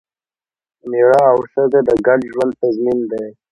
مېړه او ښځه د ګډ ژوند تضمین دی.